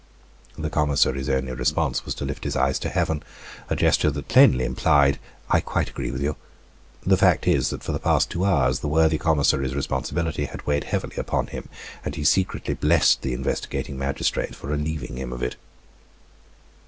The commissary's only response was to lift his eyes to heaven. A gesture that plainly implied, "I quite agree with you!" The fact is, that for the past two hours the worthy commissary's responsibility had weighed heavily upon him, and he secretly blessed the investigating magistrate for relieving him of it.